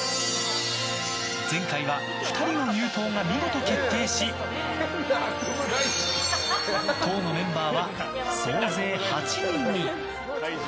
前回は２人の入党が見事決定し党のメンバーは総勢８人に。